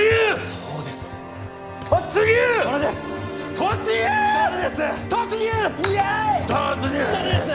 それです！